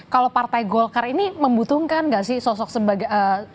kalau partai golkar ini membutuhkan gak sih sosok sebagai